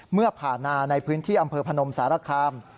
เมื่อผ่านนาในพื้นที่อำเภอพนมสารคาม